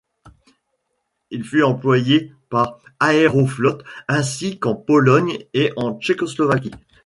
Il fut employés par Aeroflot ainsi qu'en Pologne et en Tchécoslovaquie.